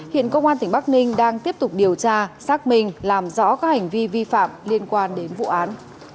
hiện công an tỉnh bắc ninh đang tiếp tục điều tra xác minh làm rõ các hành vi vi phạm liên quan đến vụ án